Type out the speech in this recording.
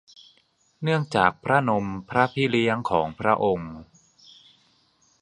เนื่องจากพระนมพระพี่เลี้ยงของพระองค์